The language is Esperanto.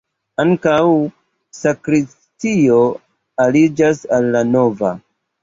Ankaŭ sakristio aliĝas al la navo.